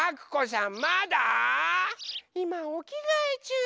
いまおきがえちゅう。